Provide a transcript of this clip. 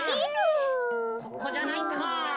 ここじゃないか。